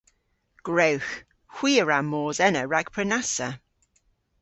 Gwrewgh. Hwi a wra mos ena rag prenassa.